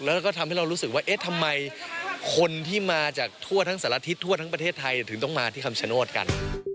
แล้วก็ทำให้เรารู้สึกว่าเอ๊ะทำไมคนที่มาจากทั่วทั้งสารทิศทั่วทั้งประเทศไทยถึงต้องมาที่คำชโนธกัน